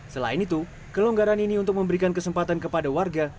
selain itu kelonggaran ini untuk memberikan kesempatan kepada warga